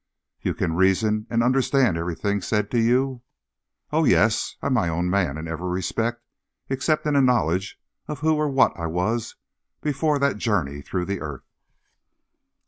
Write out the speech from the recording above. "You can reason and understand everything said to you?" "Oh, yes; I'm my own man in every respect except in a knowledge of who or what I was before that journey through the earth."